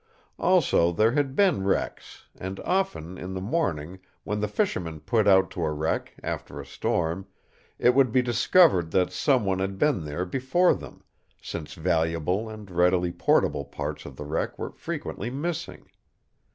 Also there had been wrecks, and often, in the morning, when the fishermen put out to a wreck, after a storm, it would be discovered that some one had been there before them, since valuable and readily portable parts of the wreck were frequently missing.